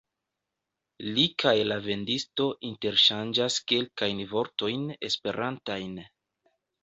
Li kaj la vendisto interŝanĝas kelkajn vortojn esperantajn.